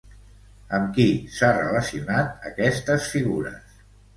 Amb qui s'ha relacionat aquestes figures?